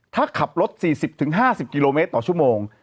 ถ้าขับรถ๔๐๕๐กิโลเมตรต่อชั่วโมง